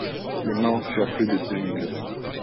Les morts furent plus de deux mille.